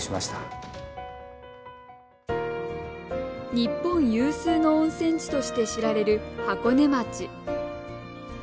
日本有数の温泉地として知られる箱根町。